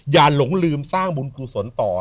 หลงลืมสร้างบุญกุศลต่อ